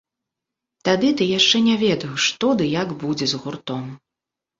Тады ты яшчэ не ведаў, што ды як будзе з гуртом.